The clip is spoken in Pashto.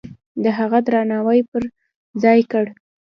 د هغه درناوی پرځای کړ.